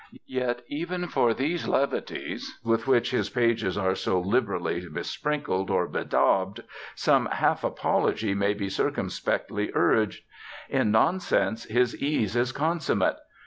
Yet even for these levities with which his pages are so liberally besprinkled or bedaubed, some half apology may be circumspectly urged. In nonsense his ease is consummate.